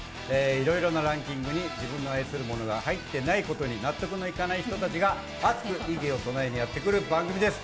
いろいろなランキングに自分の愛するものが入っていないことに納得のいかない人たちが熱く異議を唱えるためにやってくる番組です。